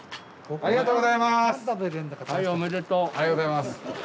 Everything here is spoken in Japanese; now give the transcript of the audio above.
ありがとうございます。